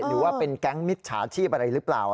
หรือว่าเป็นแก๊งมิจฉาชีพอะไรหรือเปล่า